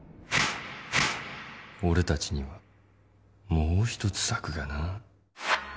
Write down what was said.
俺たちにはもう一つ策がな。